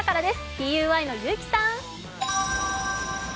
ＴＵＹの結城さん。